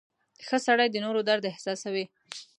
• ښه سړی د نورو درد احساسوي.